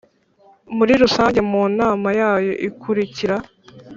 muri Rusange mu nama yayo ikurikira